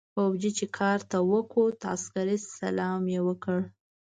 فوجي چې کارت ته وکوت عسکري سلام يې وکړ.